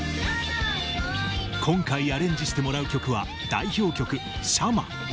今回アレンジしてもらう曲は代表曲「紗痲」。